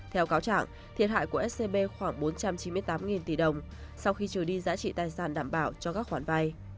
theo cáo trạng thiệt hại của scb khoảng bốn trăm chín mươi tám tỷ đồng sau khi trừ đi giá trị tài sản đảm bảo cho các khoản vay